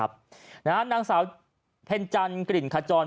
โป่งแร่ตำบลพฤศจิตภัณฑ์